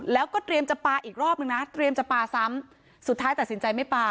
แล้วก็เตรียมจะปลาอีกรอบนึงนะเตรียมจะปลาซ้ำสุดท้ายตัดสินใจไม่ปลา